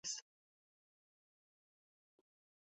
Se clasifica dentro de los trastornos digestivos funcionales.